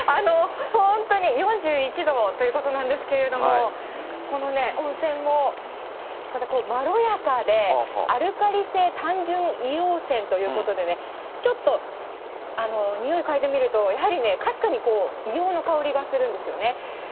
本当に、４１度ということなんですけれども、このね、温泉も、なんかこう、まろやかで、アルカリ性単純硫黄泉ということで、ちょっと匂い嗅いでみると、やはりね、かすかに硫黄の香りがするんですよね。